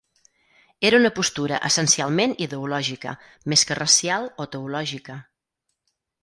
Era una postura essencialment ideològica, més que racial o teològica.